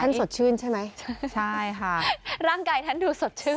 สดชื่นใช่ไหมใช่ค่ะร่างกายท่านดูสดชื่น